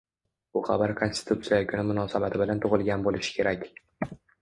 Bu xabar Konstitutsiya kuni munosabati bilan tug'ilgan bo'lishi kerak